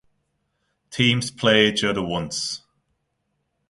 Teams play each other once.